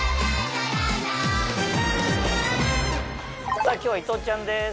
さぁ今日は伊藤ちゃんです。